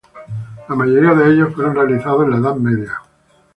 La mayoría de ellos fueron realizados en la Edad Media.